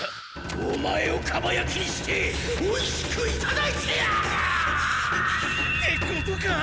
オマエをかばやきにしておいしくいただいてやる！ってことか！？